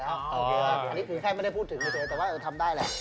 อันนี้คือแค่ไม่ได้พูดถึงเฉยแต่ว่าทำได้แหละ